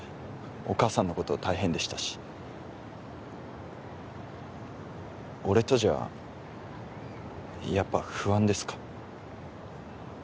お母さんのこと大変でしたし俺とじゃやっぱ不安ですか？